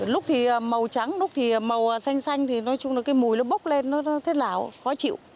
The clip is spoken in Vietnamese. lúc thì màu trắng lúc thì màu xanh xanh thì nói chung là cái mùi nó bốc lên nó thế lão khó chịu